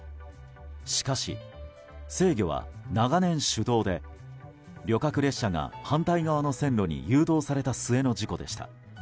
しかし、制御は長年、手動で旅客列車が反対側の線路に誘導された末の事故でした。